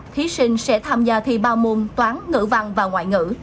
thí sinh sẽ tham gia thi ba môn toán ngữ văn và ngoại ngữ